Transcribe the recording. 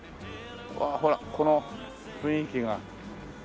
ああほらこの雰囲気が。